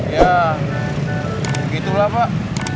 ya gitu lah pak